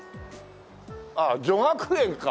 ああ女学園か。